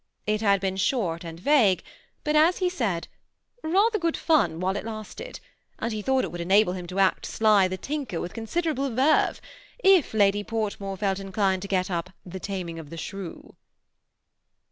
It had been short and vague, but, as he said, ^ rather good fun while it lasted ; and he thought it would enable him to act Sly the tinker, with considerable verve, if Lady Portmore felt inclined to get up * The Taming of the Shrew.'